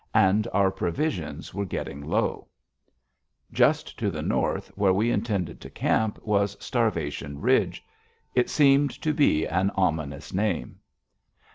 And our provisions were getting low. Just to the north, where we intended to camp, was Starvation Ridge. It seemed to be an ominous name.